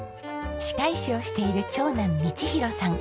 歯科医師をしている長男倫弘さん。